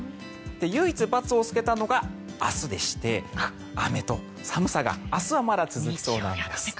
唯一バツをつけたのが明日でして雨と寒さが明日はまだ続きそうです。